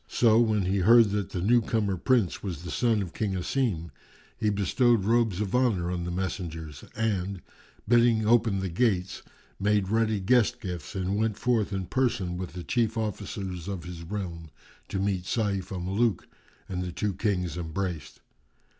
So, when he heard that the new comer Prince was the son of King Asim, he bestowed robes of honour on the messengers and, bidding open the gates, made ready guest gifts and went forth in person with the chief officers of his realm, to meet Sayf al Muluk, and the two Kings embraced.